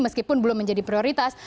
meskipun belum menjadi prioritas